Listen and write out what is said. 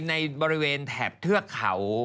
ในบริเวณแถบเทือกเขา